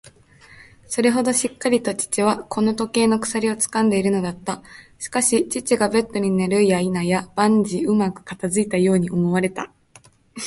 それほどしっかりと父はこの時計の鎖をつかんでいるのだった。しかし、父がベッドに寝るやいなや、万事うまく片づいたように思われた。